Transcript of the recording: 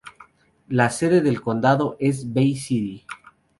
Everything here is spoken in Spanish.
La sede del condado es Bay City.